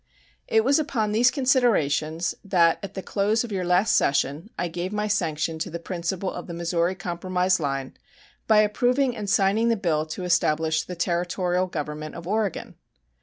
It was upon these considerations that at the close of your last session I gave my sanction to the principle of the Missouri compromise line by approving and signing the bill to establish "the Territorial government of Oregon."